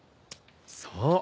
そう。